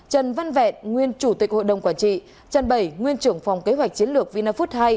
trần văn vẹn nguyên chủ tịch hội đồng quản trị trần bảy nguyên trưởng phòng kế hoạch chiến lược vinafood hai